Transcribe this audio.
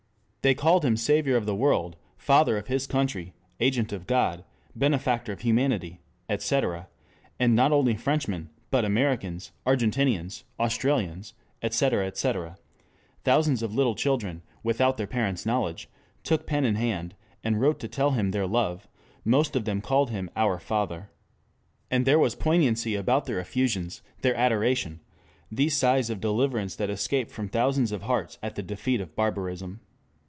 They called him Savior of the World, Father of his Country, Agent of God, Benefactor of Humanity, etc.... And not only Frenchmen, but Americans, Argentinians, Australians, etc. etc.... Thousands of little children, without their parents' knowledge, took pen in hand and wrote to tell him their love: most of them called him Our Father. And there was poignancy about their effusions, their adoration, these sighs of deliverance that escaped from thousands of hearts at the defeat of barbarism.